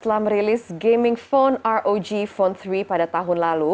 setelah merilis gaming phone rog phone tiga pada tahun lalu